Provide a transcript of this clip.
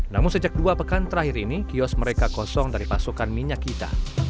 namun sejak dua pekan terakhir ini kios mereka kosong dari pasokan minyak kita